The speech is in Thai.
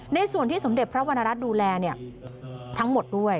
ในส่วนที่สมเด็จพระวรรณรัฐดูแลทั้งหมดด้วย